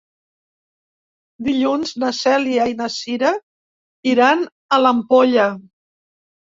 Dilluns na Cèlia i na Cira iran a l'Ampolla.